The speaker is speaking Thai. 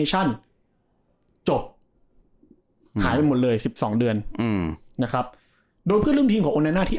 จบหายไปหมดเลยสิบสองเดือนอืมนะครับโดยเพื่อนร่วมทีมของโอนายน่าที่